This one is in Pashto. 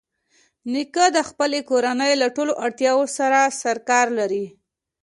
نیکه د خپلې کورنۍ له ټولو اړتیاوو سره سرکار لري.